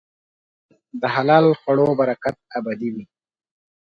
د حلال خوړو برکت ابدي وي.